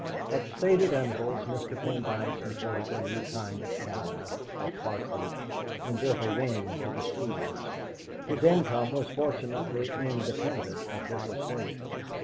At stated intervals Mr. Pendyce imported a new kind of cow, or partridge, and built a wing to the schools. His income was fortunately independent of this estate.